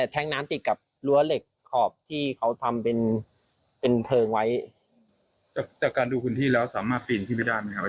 จากการดูคุณที่แล้วสามารถปีนที่ไม่ได้ไหมครับ